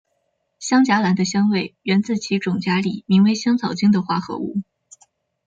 香荚兰的香味源自其种荚里名为香草精的化合物。